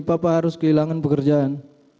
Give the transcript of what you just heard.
papa harus kehilangan pekerjaan